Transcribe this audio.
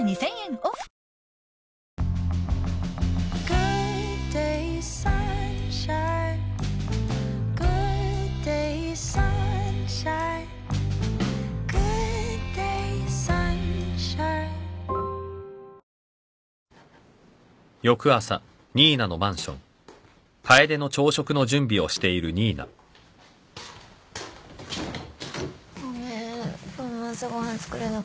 ごめん今日も朝ご飯作れなかった。